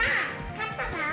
勝ったぞ。